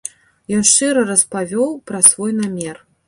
Ён шчыра распавёў пра свой намер.